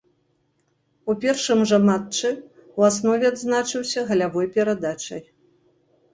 У першым жа матчы ў аснове адзначыўся галявой перадачай.